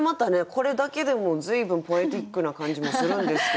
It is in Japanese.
これだけでも随分ポエティックな感じもするんですけれども。